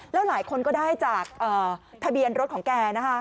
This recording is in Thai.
แล้วหลายคนก็ได้จากทะเบียนรถของแกนะคะ